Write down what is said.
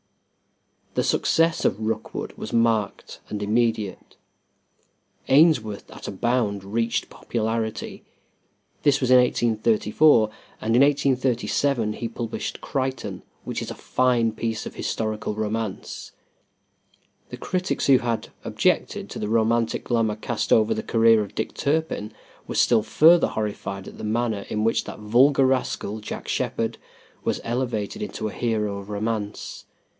The success of "Rookwood" was marked and immediate. Ainsworth at a bound reached popularity. This was in 1834, and in 1837 he published "Crichton," which is a fine piece of historical romance. The critics who had objected to the romantic glamor cast over the career of Dick Turpin were still further horrified at the manner in which that vulgar rascal, Jack Sheppard, was elevated into a hero of romance.